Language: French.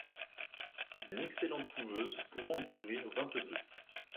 C'est une excellente couveuse, pouvant en couvrir vingt-deux.